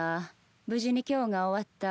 無事に今日が終わった。